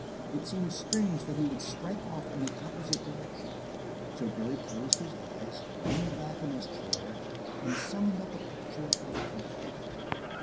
It seemed strange that he should strike off in the opposite direction, so Billy closed his eyes, leaned back in his chair, and summoned up a picture of the country.